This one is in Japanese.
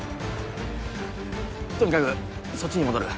とにかくそっちに戻る。